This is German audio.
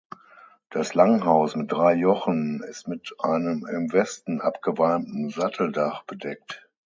Das Langhaus mit drei Jochen ist mit einem im Westen abgewalmten Satteldach bedeckt.